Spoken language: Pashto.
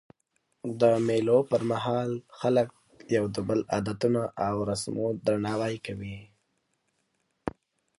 د مېلو پر مهال خلک د یو بل د عادتو او رسمو درناوی کوي.